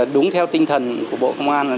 đúng theo tinh thần của bộ công an